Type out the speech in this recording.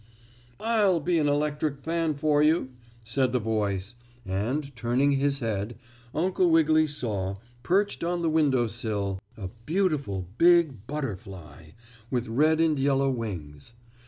"I'll be an electric fan for you," said the voice, and turning his head, Uncle Wiggily saw, perched on the window sill, a beautiful big butterfly, with red and yellow wings.